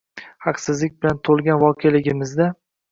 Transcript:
Haqsizlik bilan to‘lgan voqeligimizda